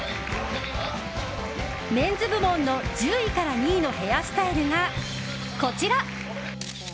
メンズ部門の１０位から２位のヘアスタイルがこちら。